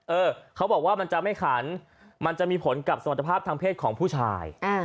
เออเขาบอกว่ามันจะไม่ขันมันจะมีผลกับสมรรถภาพทางเพศของผู้ชาย